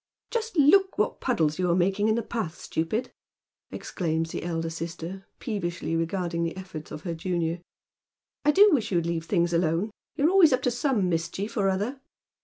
" Just look what puddles you are making in the path, stupid," exclaims the elder sister, peevishly regarding the efforts of her junior. " I do wish you'd leave things alone. You're always up to some mischief or other."